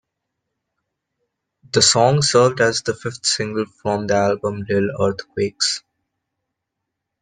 The song served as the fifth single from the album "Little Earthquakes".